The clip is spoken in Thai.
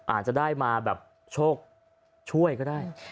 อาจจะได้มาแบบโชคช่วยก็ได้